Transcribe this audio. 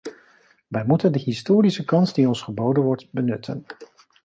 Wij moeten de historische kans die ons geboden wordt benutten.